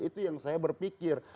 itu yang saya berpikir